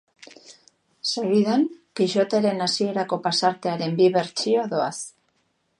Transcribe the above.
Segidan, Kixoteren hasierako pasartearen bi bertsio doaz.